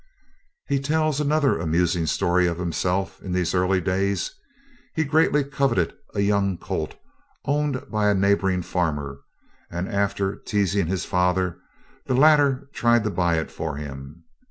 He tells another amusing story of himself, in these early days. He greatly coveted a young colt owned by a neighboring farmer, and after teasing his father, the latter tried to buy it for him.